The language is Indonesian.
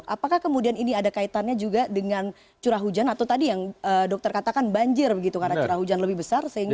apakah kemudian ini ada kaitannya juga dengan curah hujan atau tadi yang dokter katakan banjir begitu karena curah hujan lebih besar